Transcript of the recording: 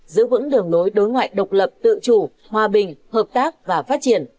giữ vững đường lối đối ngoại độc lập tự chủ hòa bình hợp tác và phát triển